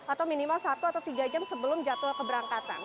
atau minimal satu atau tiga jam sebelum jadwal keberangkatan